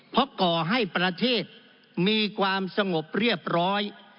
เพราะก่อให้ประเทศมีความสงบเรียบร้อย